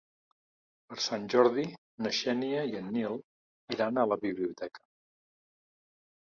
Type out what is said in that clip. Per Sant Jordi na Xènia i en Nil iran a la biblioteca.